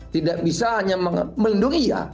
tidak bisa hanya melindungi ya